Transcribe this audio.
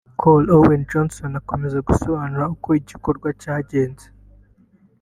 Col Owen Johnson akomeza asobanura uko igikorwa cyagenze